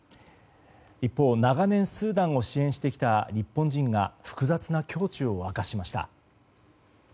一方、長年スーダンを支援してきた日本人が複雑な胸中を明かしました。